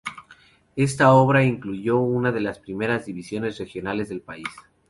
Esta obra incluyó una de las primeras divisiones regionales del país.